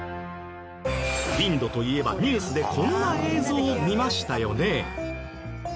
インドといえばニュースでこんな映像を見ましたよね？